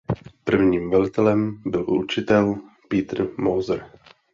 Prvním velitelem byl učitel Peter Moser.